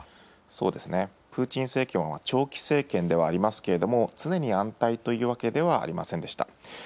そうですね、プーチン政権は長期政権ではありますけれども、常に安泰というわけではありませんでした。